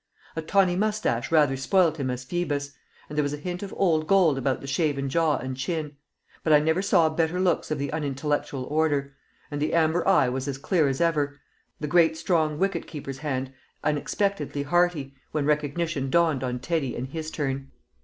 A tawny moustache rather spoilt him as Phoebus, and there was a hint of old gold about the shaven jaw and chin; but I never saw better looks of the unintellectual order; and the amber eye was as clear as ever, the great strong wicket keeper's hand unexpectedly hearty, when recognition dawned on Teddy in his turn.